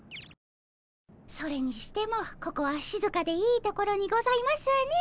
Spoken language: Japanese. それにしてもここはしずかでいい所にございますね。